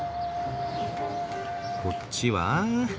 こっちは。